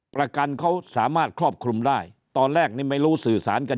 ประกันเขาสามารถครอบคลุมได้ตอนแรกนี่ไม่รู้สื่อสารกัน